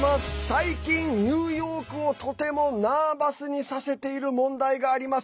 最近、ニューヨークをとてもナーバスにさせている問題があります。